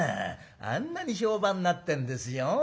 あんなに評判になってんですよ。